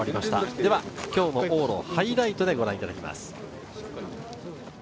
では、今日の往路をハイライトで、ご覧いただきます。